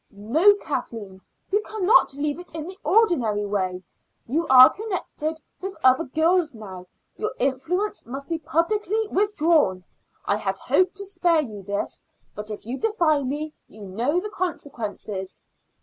"No, Kathleen, you cannot leave it in the ordinary way. You are connected with other girls now; your influence must be publicly withdrawn. I had hoped to spare you this, but if you defy me you know the consequences."